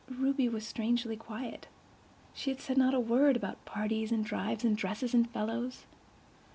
Ruby was strangely quiet. She said not a word about parties and drives and dresses and "fellows."